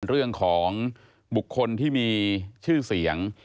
เรื่องของบุคคลที่มีชื่อเสียง